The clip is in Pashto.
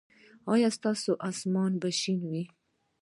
ایا ستاسو اسمان به شین وي؟